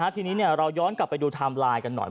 ทีนี้เราย้อนกลับไปดูไทม์ไลน์กันหน่อย